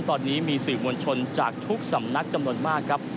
ตอนนี้มีสื่อมวลชนจากทุกสำนักจำนวนมากครับ